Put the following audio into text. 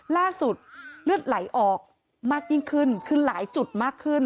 ล่าสุดเลือดไหลออกมากยิ่งขึ้นขึ้นหลายจุดมากขึ้น